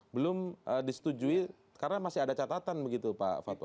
belum disetujui karena masih ada catatan begitu pak fatwa